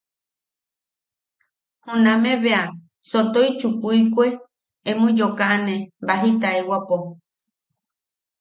Junameʼe bea sotoʼi chukuikue emo yokaʼane baji taiwapo.